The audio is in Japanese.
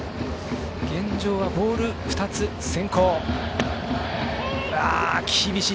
現状は、ボール２つ先行。